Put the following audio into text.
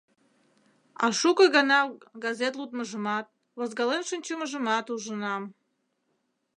А шуко гана газет лудмыжымат, возгален шинчымыжымат ужынам.